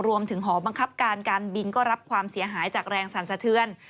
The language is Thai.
หอบังคับการการบินก็รับความเสียหายจากแรงสั่นสะเทือน